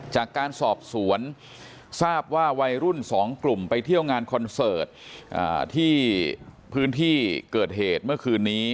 จากการสอบสวนทราบว่าวัยรุ่น๒กลุ่มไปเที่ยวงานคอนเสิร์ตที่พื้นที่เกิดเหตุเมื่อคืนนี้